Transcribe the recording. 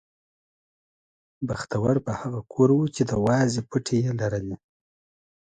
بختور به هغه کور و چې د وازې پوټې یې لرلې.